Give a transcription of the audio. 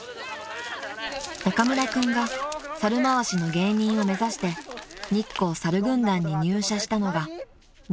［中村君が猿まわしの芸人を目指して日光さる軍団に入社したのが２０２２年の４月］